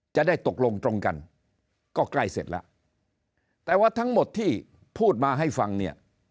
จะได้ตกลงตรงกันก็ใกล้เสร็จแล้วแต่ว่าทั้งหมดที่พูดมาให้ฟังเนี่ย